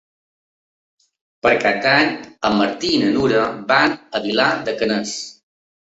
Per Cap d'Any en Martí i na Nura van a Vilar de Canes.